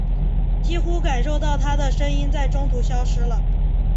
几乎感受到她的声音在中途消失了。